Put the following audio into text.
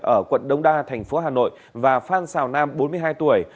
ở quận đông đa thành phố hà nội và phan xào nam bốn mươi hai tuổi